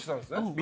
Ｂ